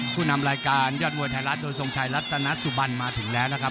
ผู้นำรายการยอดมวยไทยรัฐโดยทรงชัยรัตนสุบันมาถึงแล้วนะครับ